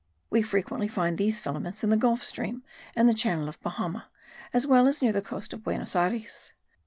We frequently find these filaments in the Gulf stream, and the Channel of Bahama, as well as near the coast of Buenos Ayres.